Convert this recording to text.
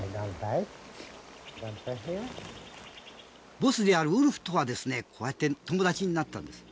ボスであるウルフとはこうやって友達になったんです。